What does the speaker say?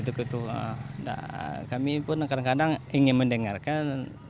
nah kami pun kadang kadang ingin mendengarkan